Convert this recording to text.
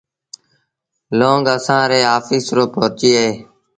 لونگ اسآݩ ري آڦيس رو ڀورچيٚ اهي